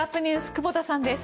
久保田さんです。